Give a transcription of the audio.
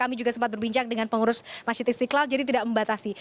kami juga sempat berbincang dengan pengurus masjid istiqlal jadi tidak membatasi